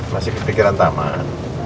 masih kepikiran tamat